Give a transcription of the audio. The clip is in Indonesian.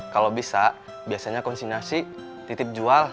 kalau bisa biasanya konsinasi titip jual